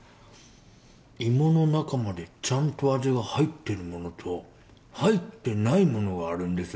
芋の中までちゃんと味が入ってるものと入ってないものがあるんです